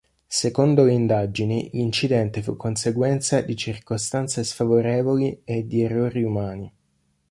Secondo le indagini, l'incidente fu conseguenza di circostanze sfavorevoli e di errori umani.